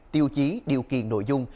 tiêu chí điều kiện nội dung